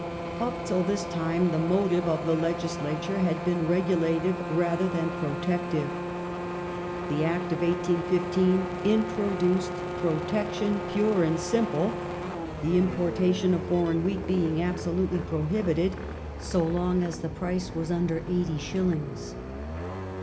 Up till this time the motive of the Legislature had been regula tive rather than protective. The Act of 1815 introduced protection pure and simple, the importation of foreign wheat being absolutely prohibited so long as the price was under 80s.